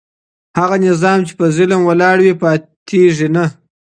هغه نظام چي په ظلم ولاړ وي پاتیږي نه.